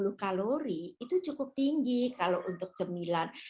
kandungan dua ratus tujuh puluh kalori itu cukup tinggi kalau untuk cemilan